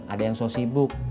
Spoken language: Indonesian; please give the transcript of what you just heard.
ada yang so sibuk